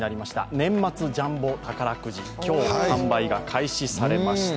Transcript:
年末ジャンボ宝くじ、今日、販売が開始されました。